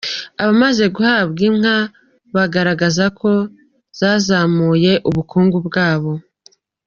Abamaze guhabwa inka, bagaragaza ko zazamuye ubukungu bwabo.